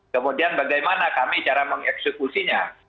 kemudian bagaimana kami cara mengeksekusinya